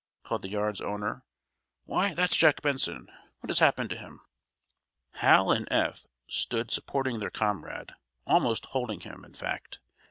called the yard's owner. "Why, that's Jack Benson! What has happened to him?" Hal and Eph stood supporting their comrade, almost holding him, in fact.